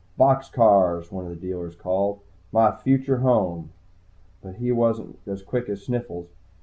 "Box cars!" one of the dealers called. "My future home." But he wasn't as quick as Sniffles.